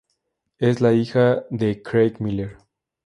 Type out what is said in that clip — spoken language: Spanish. Es la hija de Craig Miller.